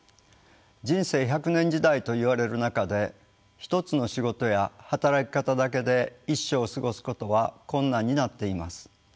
人生１００年時代といわれる中で一つの仕事や働き方だけで一生を過ごすことは困難になっています。